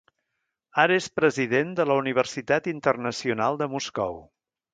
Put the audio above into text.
Ara és president de la Universitat Internacional de Moscou.